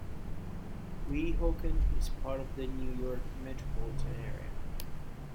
Weehawken is part of the New York metropolitan area.